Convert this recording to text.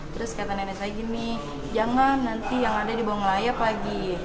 terus kata nenek saya gini jangan nanti yang ada dibawa ngelayap lagi